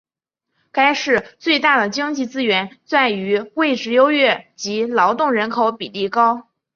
该市最大的经济资源在于位置优越及劳动人口比例高。